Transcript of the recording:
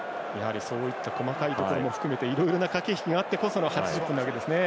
細かいところも含めていろいろな駆け引きがあってこその８０分なわけですね。